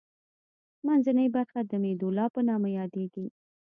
منځنۍ برخه د میدولا په نامه یادیږي.